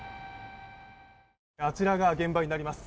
あちらが現場になります。